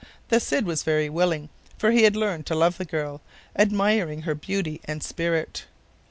The Cid was very willing, for he had learned to love the girl, admiring her beauty and spirit.